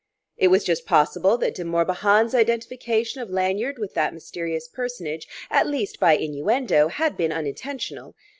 It was just possible that De Morbihan's identification of Lanyard with that mysterious personage, at least by innuendo, had been unintentional.